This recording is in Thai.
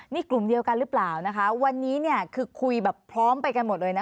นี่กลุ่มเดียวกันหรือเปล่านะคะวันนี้เนี่ยคือคุยแบบพร้อมไปกันหมดเลยนะคะ